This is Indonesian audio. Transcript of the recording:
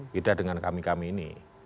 beda dengan kami kami ini